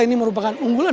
ini merupakan unggulan